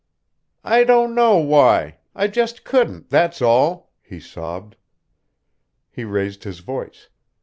"I don't know why I just couldn't, that's all," he sobbed. He raised his voice.